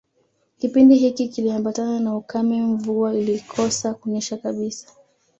Kipindi hiki kiliambatana na ukame Mvua ilikosa kunyesha kabisa